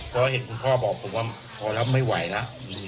เพราะเห็นคุณพ่อบอกผมว่าพ่อแล้วไม่ไหวนะ